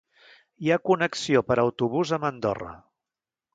Hi ha connexió per autobús amb Andorra.